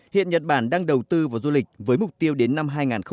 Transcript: hiện nhật bản đang đầu tư vào du lịch với mục tiêu đến năm hai nghìn ba mươi